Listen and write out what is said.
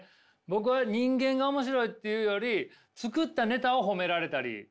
僕は人間が面白いっていうより作ったネタを褒められたりする人。